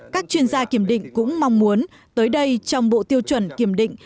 các chuyên gia kiểm định cũng mong muốn tới đây trong bộ tiêu chuẩn kiểm định